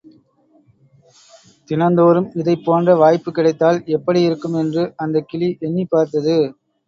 தினந்தோறும் இதைப் போன்ற வாய்ப்புக் கிடைத்தால் எப்படி இருக்கும் என்று அந்தக் கிளி எண்ணிப் பார்த்தது.